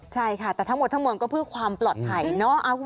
ใช่ค่ะแต่ทั้งหมดทั้งหมดก็เพื่อความปลอดภัยเนาะ